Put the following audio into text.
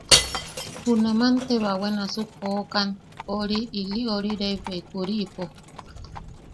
Junaman te bawe nasuk te joʼokan ori ili ori rebbeikuoripo.